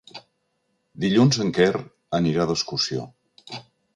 Dilluns en Quer anirà d'excursió.